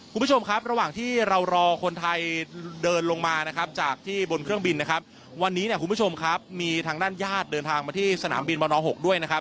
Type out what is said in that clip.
คุณผู้ชมครับระหว่างที่เรารอคนไทยเดินลงมานะครับจากที่บนเครื่องบินนะครับวันนี้เนี่ยคุณผู้ชมครับมีทางด้านญาติเดินทางมาที่สนามบินบน๖ด้วยนะครับ